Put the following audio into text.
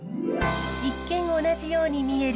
一見同じように見える